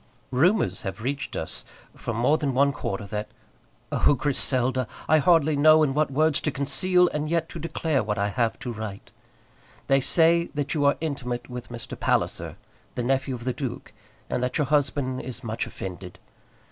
Rumours have reached us from more than one quarter that Oh! Griselda, I hardly know in what words to conceal and yet to declare that which I have to write. They say that you are intimate with Mr. Palliser, the nephew of the duke, and that your husband is much offended.